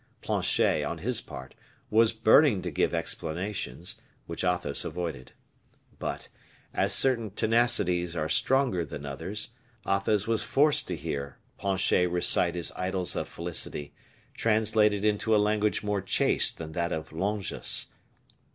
Planchet, on his part, was burning to give explanations, which Athos avoided. But, as certain tenacities are stronger than others, Athos was forced to hear Planchet recite his idyls of felicity, translated into a language more chaste than that of Longus.